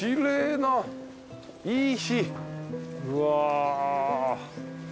うわ。